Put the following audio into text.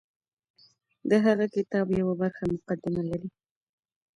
د هغه کتاب يوه پراخه مقدمه لري.